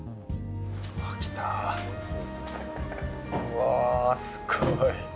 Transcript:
わ、すごい。